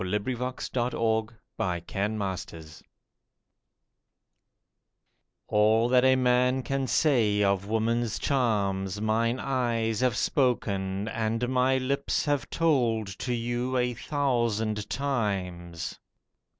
A BACHELOR TO A MARRIED FLIRT ALL that a man can say of woman's charms, Mine eyes have spoken and my lips have told To you a thousand times.